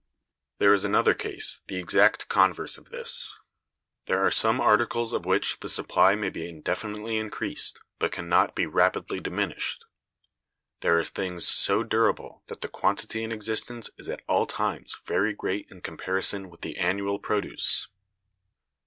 There is another case the exact converse of this. There are some articles of which the supply may be indefinitely increased, but can not be rapidly diminished. There are things so durable that the quantity in existence is at all times very great in comparison with the annual produce.